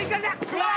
うわ！